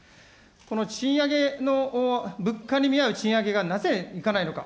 この賃上げの、物価に見合う賃上げがなぜいかないのか。